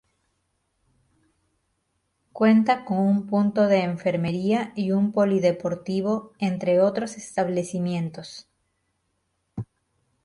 Cuenta con un punto de enfermería y un polideportivo, entre otros establecimientos.